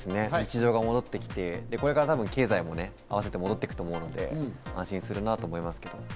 日常が戻ってきて、経済も合わせて戻っていくと思うので安心するなと思います。